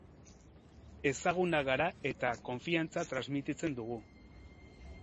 Ezagunak gara eta konfiantza transmititzen dugu.